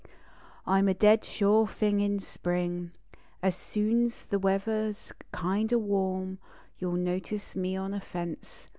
I m a dead sure thing in spring. As soon s the weather s kind o warm You ll notice me on a fence.